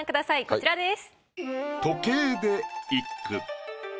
こちらです。